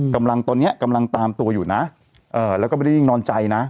กำลังตอนนี้กำลังตามตัวอยู่นะแล้วก็ไม่ได้ยิ่งนอนใจนะ